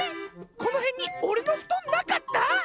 このへんにおれのふとんなかった？